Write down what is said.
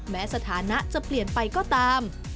สถานะจะเปลี่ยนไปก็ตาม